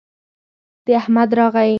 د احمد راغى